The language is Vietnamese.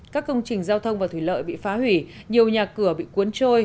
các công trình giao thông và thủy lợi bị phá hủy nhiều nhà cửa bị cuốn trôi